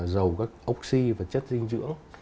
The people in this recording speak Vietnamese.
dầu các oxy và chất dinh dưỡng